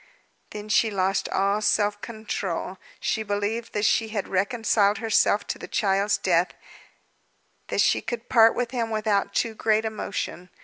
Then she lost all self control. She believed that she had reconciled herself to the child's death, that she could part with him without too great emotion.